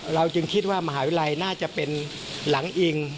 เราจึงคิดว่ามหาวิทยาลัยน่าจะเป็นหลังอิง